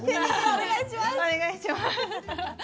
お願いします！